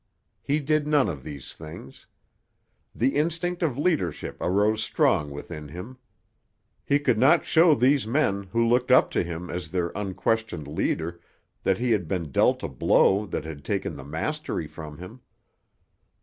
He did none of these things. The instinct of leadership arose strong within him. He could not show these men who looked up to him as their unquestioned leader that he had been dealt a blow that had taken the mastery from him.